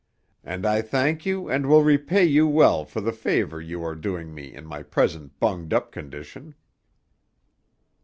And I thank you and will repay you well for the favour you are doing me in my present bunged up condition."